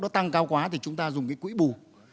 nó tăng cao quá thì chúng ta dùng cái quỹ bù